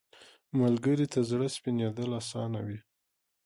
ملګری ته زړه سپینېدل اسانه وي